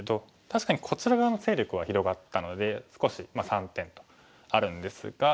確かにこちら側の勢力は広がったので少し３点とあるんですが。